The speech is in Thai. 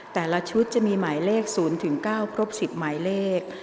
แต่ละชุดจะมีหมายเลข๐๙ครบ๑๐หมายเลข